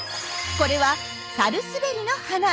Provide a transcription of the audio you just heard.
これはサルスベリの花。